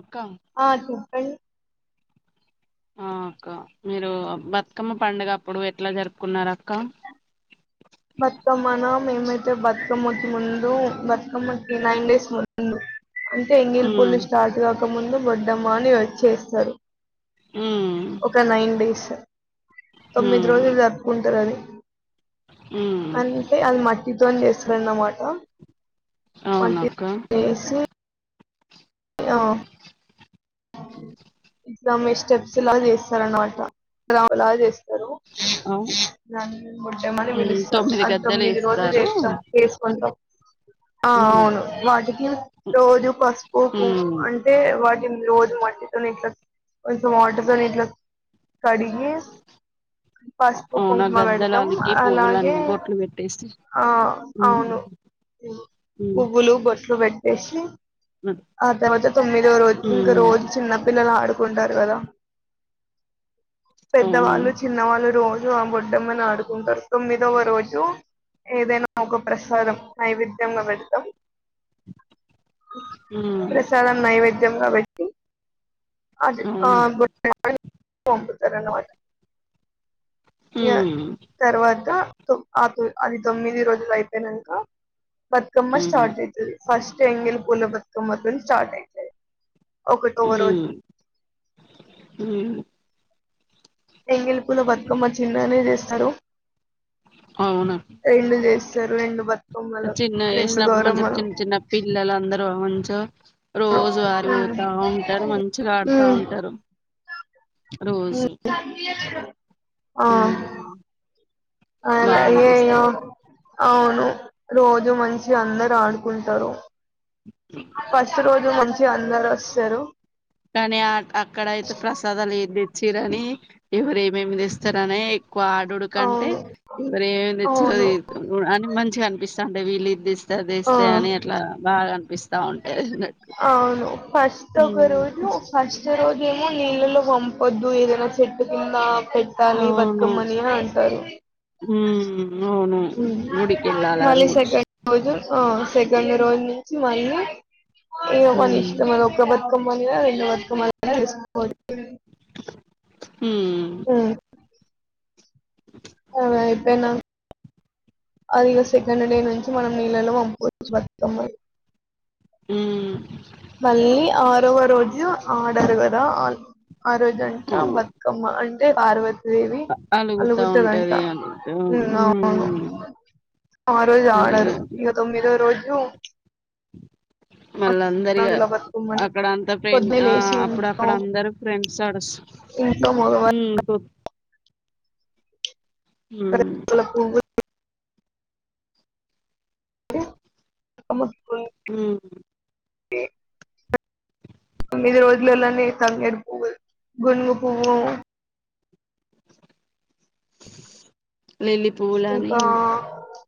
అక్క ఆ చెప్పండి ఆ అక్క మీరు బతుకమ్మ పండుగ అప్పుడు ఎట్లా జరుపుకున్నారక్క బతుకమ్మనా మేమైతే బతుకమ్మకి ముందు బతుకమ్మకి నైన్ డేస్ ముందు అంటే ఎంగిలి ఉమ్ పూలు స్టార్ట్ కాకముందు బో డ్డెమ్మ అని చేస్తరు ఉమ్ ఒక నైన్ డేస్ తొమ్మిది ఉమ్ రోజులు జరుపుకుంటర్ అది ఉమ్ అంతే అద్ మట్టి తోన్ చేస్తరన్నమాట అవునక్క ఆ ఇగ మీ స్టెప్స్ ఇలా చేస్తారన్నమాట అలా చేస్తారు. అవు దాన్ని బొడ్డెమ్మ అని ఉమ్ పిలుస్తాం. తొమ్మిది అది గద్దెలు తొమ్మిది రోజులు వేస్తారు చేస్తాం చేసుకుంటాం ఆ ఉమ్ అవును వాటికి రోజు పసుపు కుం ఉమ్ అంటే వాటి రోజు మట్టితోని ఇంట్ల కొంచం వాటర్ తోని కడిగి పస్పు అవునా కుంకుమ పెడతాం గద్దెలాలకి అలాగే పువ్వులన్నీ బొట్లు పెట్టేసి ఆ ఉమ్ అవును ఉమ్ పువ్వులు బొట్లు పెట్టేసి ఆ తర్వాత తొమ్మిదో రోజు ఇంకా ఉమ్ రోజు చిన్న పి ల్లలు ఆడుకుంటారు కదా అవును పెద్దవాళ్ళు, చిన్నవాళ్ళు రో ఆ బొడ్డెమ్మని ఆడుకుంటారు తొమ్మిదవ రోజు ఏదైనా ఒక ప్రసాదం నైవేద్యంగా పెడతాం ఉమ్ ప్రసాదం నైవేద్య ద్యంగా పెట్టీ అది ఆ అవును బొడ్డెమ్మని పంపుతరన్నమాట. ఇగ ఉమ్ తర్వాత తొ ఆ తొ అది తొమ్మిది రోజులు అయిపోయినంక బతుకమ్మ ఉమ్ స్టార్ట్ అయితది ఫస్ట్ ఎంగిల్ పూల బతుకమ్మతోని స్టార్ట్ అయితది. ఒకటోవ రోజు హ్మ్ ఎంగిలి పూల బతుకమ్మ చిన్నగనే చేస్తారు రెండు చేస్ స్తరు. రెండు బ చిన్నగ చేసినప్పుడు మంచిగా చిన్న చిన్న పిల్లలు అందరు ఆ మంచిగా రోజు వారి ఉమ్, పోతా ఉంటారు మంచిగా ఆడుతా ఉమ్, ఉంటరు. రోజు ఉమ్, ఉమ్ అలా బాగా అయ్యయ్యో అనిపిస్తది అవును రోజు మంచిగ అందరు ఆడుకుంటారు ఫస్ట్ రోజు మంచి గా అందరు స్తారు కానీ అక్కడ అయితే ప్రసాదాలు ఏందిచ్చిరని ఎవరు ఏమేమి చేస్తారనే ఏక్కువ ఆడుడుకంటే అవును ఎవర ఏమి తెచ్చిరా అవును అని మంచిగా అనిపిస్తంది వెళ్ళు ఇది తెచ్చి తీస్తే ఆ అని అట్లా బాగా అనిపిస్తాఉంటది అన్నట్టు ఉమ్ నో ఫస్ట్ రోజ్ కేమో నీళ్ళలో పంపొద్దు ఏదైనా చెట్టు కింద పెట్టాలి అవును బతుకమ్మని అనీ అంటారు ఉమ్ అవును ఉమ్ గుడికి వెళ్ళాలా మళ్ళీ రోజు సెకండ్ రోజు ఆ సెకండ్ రోజు నుంచి మళ్ళీ ఇగా మన ఉమ్ ఇష్టం అది ఒక బాత్ మాములుగా రెండు బతుకమ్మలు కూడా తీసుకపోవాలి ఉమ్ ఉమ్ ఆది పోయినాక ఆది సెకండ్ డే నుంచి మనం నీళ్ళలో వంపుచు బతుకమ్మ నీ ఉమ్ మళ్ళీ ఆరవ రోజు ఆడరు కదా ఆ రోజంట బతుకమ్మ అంటే పార్వతి అలుగుతా అలుగుతి గంట ఉంటది అలుగుతా అవును ఉమ్ ఆ రోజు అలిగే ఆడరు ఇక తొమ్మిదో రోజు మళ్ళందరిగా దుల బతుకమ్మని అక్కడంతా ఫ్రెం పొద్దున్నే ఆ లేసి అప్పుడు ఇంట్లో అక్కడ అందరుూ ఫ్రెండ్స్ ఆడుస్త ఇంట్లో మగవారు ఉమ్ ఉమ్ రేకుల పువ్వులు అమ్మ ఉమ్ తొమ్మిది రోజులలోనే తంగేరు పువ్వు గునుగు పువ్వు లిల్లీ పువ్వులు అని ఇంకా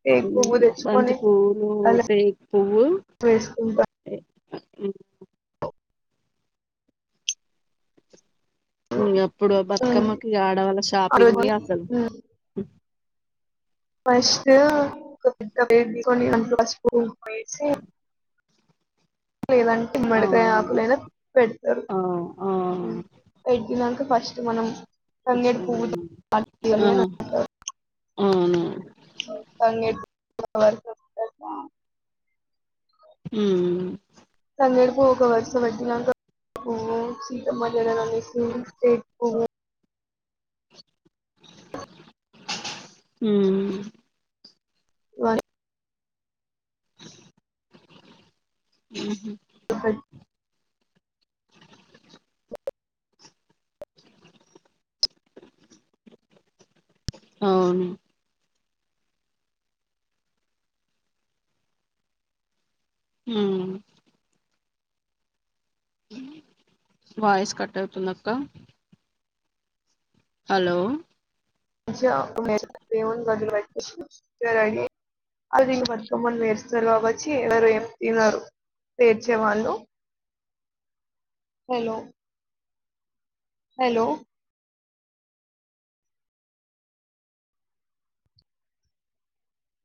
టేకు ఉమ్ పువ్వు తెచ్చుకొని బంతి పువ్వులు కలసి పేక్ పువ్వు వేసుకుంటాం మ్మ్ అప్పుడు ఉమ్ బతుకమ్మకి ఇంగ ఆడవళ్ల ఆ రోజు షాపింగే అసలు ఉమ్ ఫస్ట్ కొన్ని అంట పసుపు కుంకుమ యేసి లేదంటే ఉమ్మడికాయ అవును ఆకులైనా పెడతారు ఆ ఆ పెట్టినాక ఫస్ట్ మనం తంగేడు పువ్వు ఆ తాగాలి అని అవునవును తంగేడు పూల వరకు వొస్తే బాగుండు మ్మ్ తంగేడు పువ్వు ఒక వర్స పెట్టినంక పోము సీతమ్మ జడలో [unintelligible] పువ్వు మ్మ్ వాని మ్మ్ హ్మ్ సహన్ అవును హ్మ్ వాయిస్ కట్ అవుతుందక్క హలో మంచిగ దేవుని [unintelligible] మంచిగ రెడీ అయి బతుకమ్మ చేస్తారు వచ్చి ఎవరు ఏం తినరు పేర్చే వాళ్ళు హలో హలో